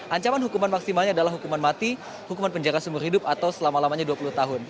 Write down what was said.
ancaman hukuman maksimalnya adalah hukuman mati hukuman penjara seumur hidup atau selama lamanya dua puluh tahun